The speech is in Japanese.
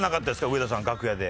上田さん楽屋で。